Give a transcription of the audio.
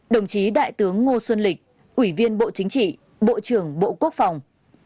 một mươi ba đồng chí đại tướng ngô xuân lịch ủy viên bộ chính trị bộ trưởng bộ quốc phòng